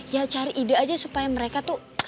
ya cari ide aja supaya mereka tuh